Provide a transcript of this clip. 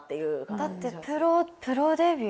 だってプロプロデビュー？